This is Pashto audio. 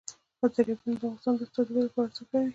دریابونه د افغانستان د اقتصادي ودې لپاره ارزښت لري.